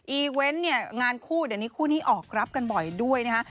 เวนต์เนี่ยงานคู่เดี๋ยวนี้คู่นี้ออกรับกันบ่อยด้วยนะฮะ